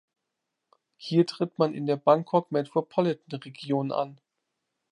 Hier tritt man in der Bangkok Metropolitan Region an.